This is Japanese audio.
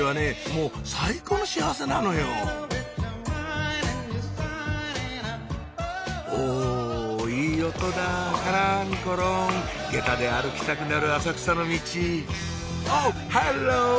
もう最高の幸せなのよおいい音だカランコロン下駄で歩きたくなる浅草のミチおっハロー！